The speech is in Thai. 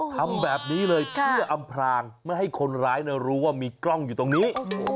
ทำแบบนี้เลยเพื่ออำพรางไม่ให้คนร้ายรู้ว่ามีกล้องอยู่ตรงนี้